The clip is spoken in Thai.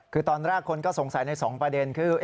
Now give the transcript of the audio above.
คือตอนแรกคนก็สงสัยใน๒ประเด็นคือ